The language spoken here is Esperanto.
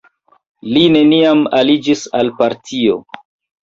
Li neniam aliĝis al partio.